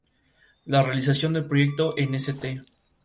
La realización del proyecto en St.